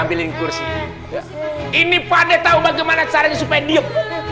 ini kursi ini pade tau bagaimana caranya supaya diep